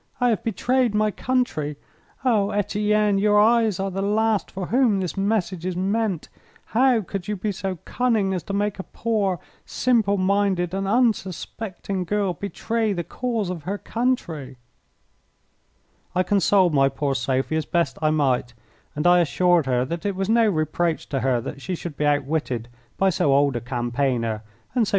I have betrayed my country! Oh, Etienne, your eyes are the last for whom this message is meant. How could you be so cunning as to make a poor, simple minded, and unsuspecting girl betray the cause of her country?" I consoled my poor Sophie as best I might, and I assured her that it was no reproach to her that she should be outwitted by so old a campaigner and so shrewd a man as myself. But it was no time now for talk.